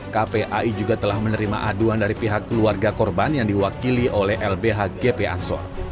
kpai juga telah menerima aduan dari pihak keluarga korban yang diwakili oleh lbh gp ansor